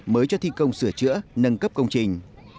mới cho thi công sửa chữa nâng cấp công trình